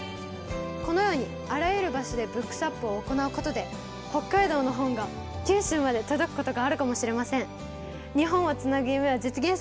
このようにあらゆる場所でＢｏｏｋｓｗａｐを行うことで北海道の本が九州まで届くことがあるかもしれません。